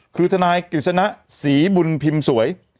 คือทนายกฤษณะศรีบุญพิมพ์สวย